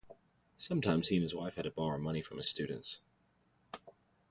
Sometimes he and his wife had to borrow money from his students.